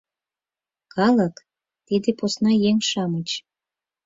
Калык — тиде посна еҥ-шамыч.